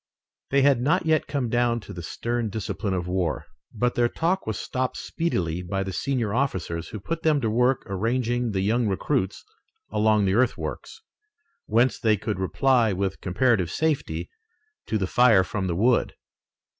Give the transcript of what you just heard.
They had not yet come down to the stern discipline of war, but their talk was stopped speedily by the senior officers, who put them to work arranging the young recruits along the earthworks, whence they could reply with comparative safety to the fire from the wood.